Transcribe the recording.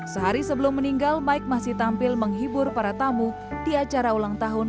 sehari sebelum meninggal mike masih tampil menghibur para tamu di acara ulang tahun